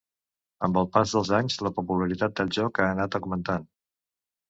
Amb el pas dels anys la popularitat del joc ha anat augmentant.